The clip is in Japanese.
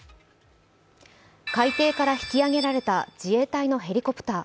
海底から引き揚げられた自衛隊のヘリコプター。